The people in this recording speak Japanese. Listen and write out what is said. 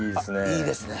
いいですね。